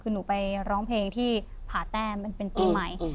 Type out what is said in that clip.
คือหนูไปร้องเพลงที่ผ่าแต้มเป็นปีใหม่